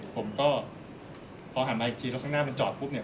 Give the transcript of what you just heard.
ผมก็พอหันมาอีกทีแล้วข้างหน้ามันจอดปุ๊บเนี่ย